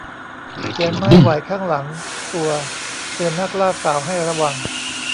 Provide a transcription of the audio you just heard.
เสียงไม้ไหวข้างหลังตัวเตือนนักล่าสาวให้ระวัง